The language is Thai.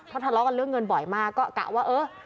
เพราะทะเลาะกันเรื่องเงินบ่อยมากก็กะว่าเออ